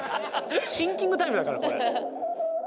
シンキングタイムだからこれ。